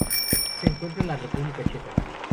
Se encuentra en la República Checa